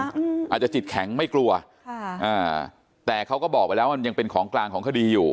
อาจจะจิตแข็งไม่กลัวค่ะอ่าแต่เขาก็บอกไปแล้วมันยังเป็นของกลางของคดีอยู่